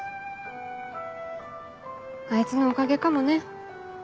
あいつのおかげかもね。